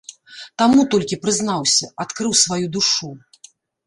Таму толькі прызнаўся, адкрыў сваю душу.